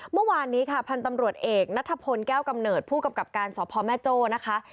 เมื่อวานนี้ค่ะพันธ์ตำรวจเอกนัทพลแก้วกำเนิดผู้กำกับการสพแม่โจ้นะคะ